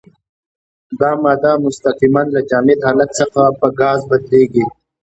دا ماده مستقیماً له جامد حالت څخه په ګاز بدلیږي.